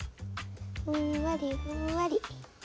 ふんわりふんわり。